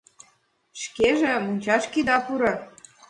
Шкеже мончашке ида пуро.